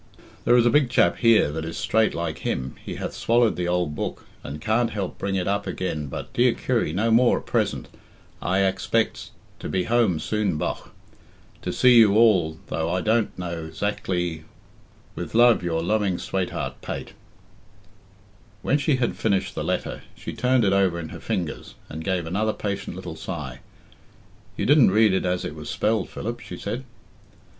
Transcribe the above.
Theer is a big chap heer that is strait like him he hath swallowed the owl Book and cant help bring it up agen but dear Kirry no more at present i axpect to be Home sune bogh, to see u all tho I dont no azactly With luv your luving swateart peat." When she had finished the letter, she turned it over in her fingers, and gave another patient little sigh. "You didn't read it as it was spelled, Philip," she said.